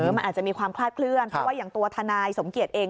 มันอาจจะมีความคลาดเคลื่อนเพราะว่าอย่างตัวทนายสมเกียจเอง